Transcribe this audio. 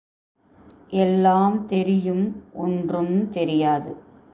எல்லாம் தெரியும் ஒன்றும் தெரியாது.